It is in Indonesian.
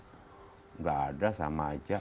tidak ada sama aja